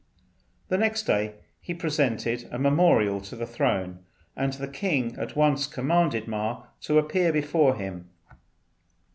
The next day he presented a memorial to the Throne, and the king at once commanded Ma to appear before him.